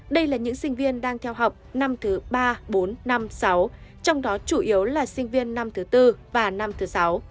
đây là những sinh viên đang theo học năm thứ ba bốn năm sáu trong đó chủ yếu là sinh viên năm thứ tư và năm thứ sáu